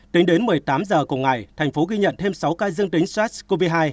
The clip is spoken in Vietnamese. tính đến một mươi tám h cùng ngày thành phố ghi nhận thêm sáu ca dương tính sars cov hai